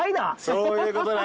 そういうことね！